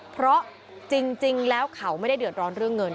เพราะจริงแล้วเขาไม่ได้เดือดร้อนเรื่องเงิน